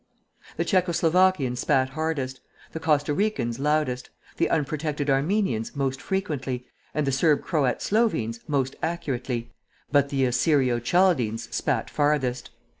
The Czecho Slovakians spat hardest, the Costa Ricans loudest, the Unprotected Armenians most frequently, and the Serb Croat Slovenes most accurately, but the Assyrio Chaldeans spat farthest.